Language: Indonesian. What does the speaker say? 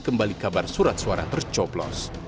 kembali kabar surat suara tercoblos